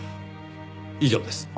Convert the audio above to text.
以上です。